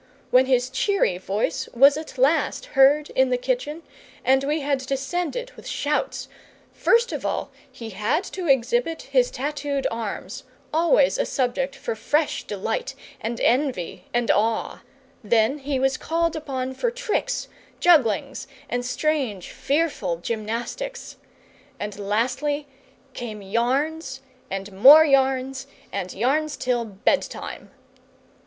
When his cheery voice was at last heard in the kitchen and we had descended with shouts, first of all he had to exhibit his tattooed arms, always a subject for fresh delight and envy and awe; then he was called upon for tricks, jugglings, and strange, fearful gymnastics; and lastly came yarns, and more yarns, and yarns till bedtime.